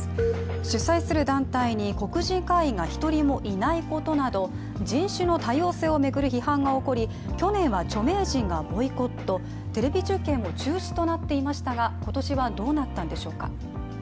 主催する団体に黒人会員が１人もいないことなど人種の多様性を巡る批判が起こり去年は著名人がボイコットテレビ中継も中止となっていましたが、今年はどうなったんでしょうか？